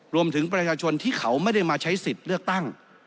รวมถึงประชาชนที่เขาไม่ได้มาใช้สิทธิ์เลือกตั้ง